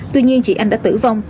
tuy nhiên chị anh đã tử vong